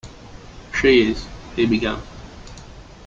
"She is -" he began.